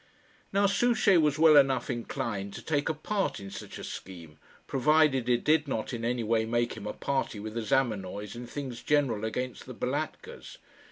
Now Souchey was well enough inclined to take a part in such a scheme provided it did not in any way make him a party with the Zamenoys in things general against the Balatkas.